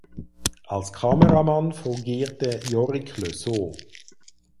Als Kameramann fungierte Yorick Le Saux.